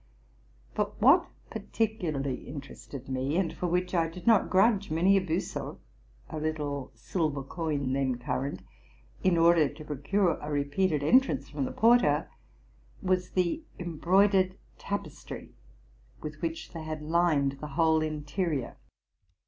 But that which particularly interested me, and for which I did not grudge many a bisel (a little silver coin then current) in order to procure a repeated entrance from the porter, was the embroidered tapestry with which they had lined the whole interior.